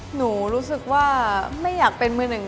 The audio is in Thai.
หนูรู้สึกว่าไม่อยากเป็นมือหนึ่ง